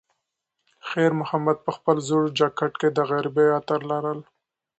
خیر محمد په خپل زوړ جاکټ کې د غریبۍ عطر لرل.